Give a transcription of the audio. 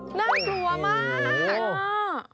น่ารักกว่ามาก